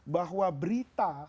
bahwa beri kepentingan